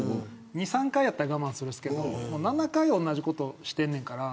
２、３回やったら我慢するんですけど７回同じことしてんねんから